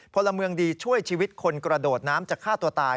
พลเมืองดีช่วยชีวิตคนกระโดดน้ำจะฆ่าตัวตาย